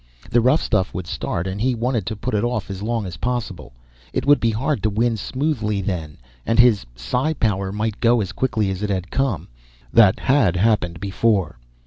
The rough stuff would start and he wanted to put it off as long as possible. It would be hard to win smoothly then and his psi power might go as quickly as it had come. That had happened before.